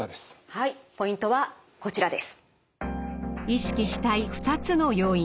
はいポイントはこちらです。